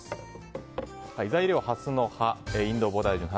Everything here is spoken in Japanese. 材料はハスの葉インドボダイジュの葉。